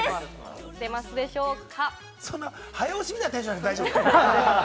出ますでしょうか？